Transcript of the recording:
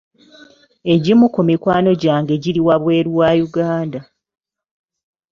Egimu ku mikwano gyange giri wabweru wa Uganda.